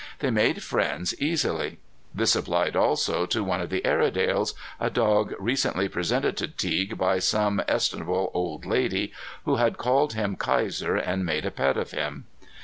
They made friends easily. This applied also to one of the Airedales, a dog recently presented to Teague by some estimable old lady who had called him Kaiser and made a pet of him.